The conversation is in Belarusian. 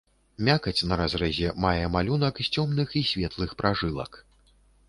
Мякаць на разрэзе мае малюнак з цёмных і светлых пражылак.